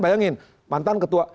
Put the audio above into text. bayangin mantan ketua